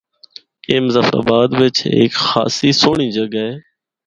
اے مظفرآباد بچ ہک خاصی سہنڑی جگہ ہے۔